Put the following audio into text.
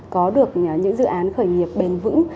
có được những dự án khởi nghiệp bền vững